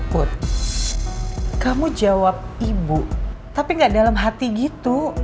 puts kamu jawab ibu tapi gak dalam hati gitu